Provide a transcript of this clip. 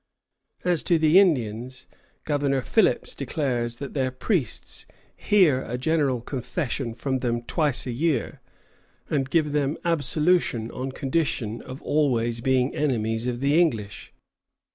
" As to the Indians, Governor Philipps declares that their priests hear a general confession from them twice a year, and give them absolution on condition of always being enemies of the English.